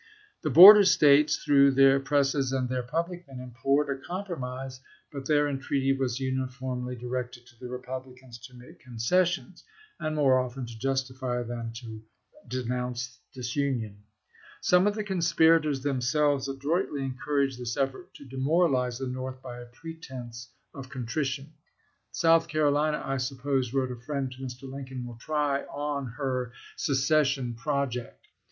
The border States, through their presses and their public men, implored a compromise, but their en treaty was uniformly directed to the Republicans to make concessions, and more often to justify than to denounce disunion. Some of the conspirators themselves adroitly encouraged this effort to de moralize the North by a pretense of contrition. " South Carolina, I suppose," wrote a friend to Mr. Lincoln, " will try on her secession project.